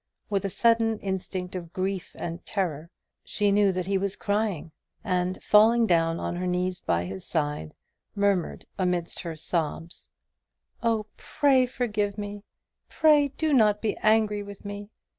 With a sudden instinct of grief and terror she knew that he was crying, and falling down on her knees by his side, murmured amidst her sobs, "Oh, pray forgive me! Pray do not be angry with me!